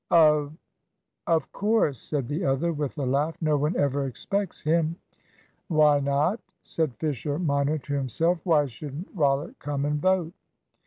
"Of, of course," said the other, with a laugh, "no one ever expects him." "Why not?" said Fisher minor to himself. "Why shouldn't Rollitt come and vote?"